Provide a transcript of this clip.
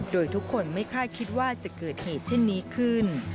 โดยทุกคนไม่คาดคิดว่าจะเกิดเหตุเช่นนี้ขึ้น